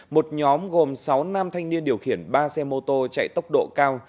một nhóm gồm sáu nam thanh niên điều khiển ba xe mô tô chạy tốc độ cao